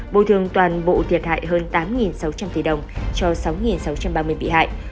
bồi thường toàn bộ thiệt hại hơn tám sáu trăm linh tỷ đồng cho sáu sáu trăm ba mươi bị hại